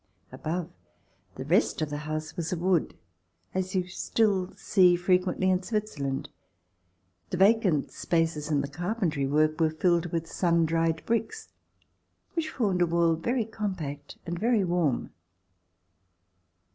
Above, the rest of the house was of wood, as you will still see frequently in Switzerland. The vacant spaces in the carpentry work were filled with sun dried bricks which formed a wall very compact and very warm.